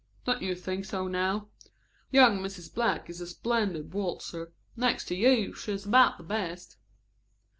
Don't you think so now? Young Mrs. Black is a splendid waltzer. Next to you, she is about the best."